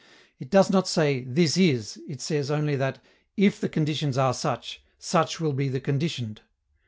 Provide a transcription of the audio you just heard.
It does not say, "This is;" it says only that "if the conditions are such, such will be the conditioned."